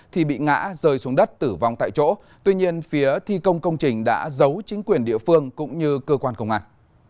thì bị ngã rơi xuống đất tử vong tại chỗ tuy nhiên phía thi công công trình đã giấu chính quyền địa phương cũng như cơ quan công an